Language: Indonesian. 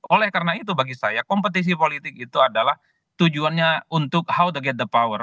oleh karena itu bagi saya kompetisi politik itu adalah tujuannya untuk how agat the power